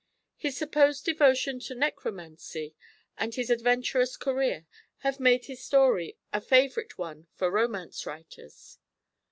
His supposed devotion to necromancy and his adventurous career have made his story a favourite one for romance writers.